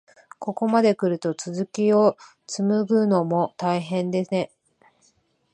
ここまでくると、続きをつむぐのも大変でね。